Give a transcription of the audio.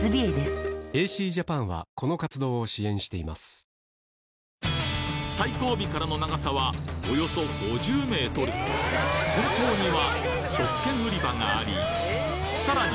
本麒麟最後尾からの長さはおよそ５０ｍ先頭には食券売り場がありさらに